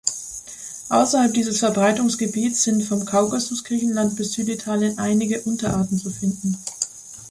Außerhalb dieses Verbreitungsgebiets sind vom Kaukasus, Griechenland bis Süditalien einige Unterarten zu finden.